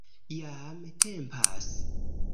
Jam tempas